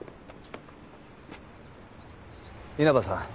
稲葉さん